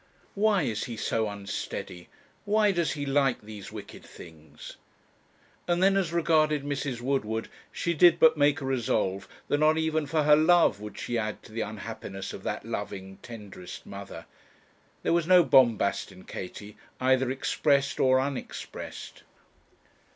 'Why is he so unsteady? Why does he like these wicked things?' And then as regarded Mrs. Woodward, she did but make a resolve that not even for her love would she add to the unhappiness of that loving, tenderest mother. There was no bombast in Katie, either expressed or unexpressed.